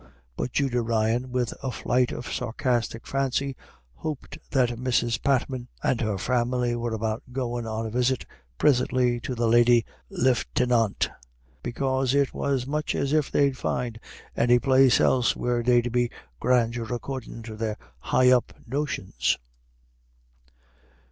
But Judy Ryan, with a flight of sarcastic fancy, hoped that Mrs. Patman and her family "were about goin' on a visit prisintly to the Lady Lifftinant, because it was much if they'd find any place else where there'd be grandeur accordin' to their high up notions."